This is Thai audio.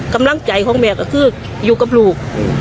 กำลังใจของแม่ก็คืออยู่กับลูก